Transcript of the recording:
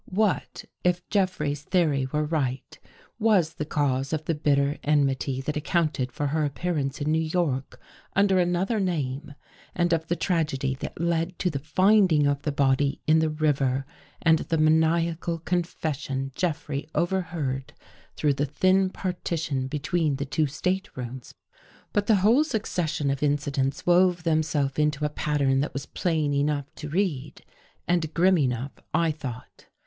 What, if Jeffrey's theory were right, was the cause of the bitter enmity that accounted for her appearance in New York under another name and of the tragedy that led to the finding of the body in the river and the maniacal confession Jeffrey overheard through the thin partition between the two staterooms? But the whole succession of inci dents wove themselves into a pattern that was plain enough to read, and grim enough, I thought.